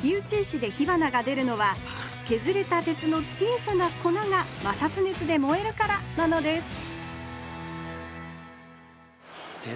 火打ち石で火花がでるのはけずれた鉄の小さな粉が摩擦熱で燃えるからなのです鉄